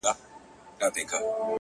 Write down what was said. • په رڼا كي يې پر زړه ځانمرگى وسي ـ